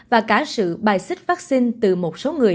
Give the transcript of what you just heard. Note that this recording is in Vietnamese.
và cả sự bài xích vắc xin từ một số người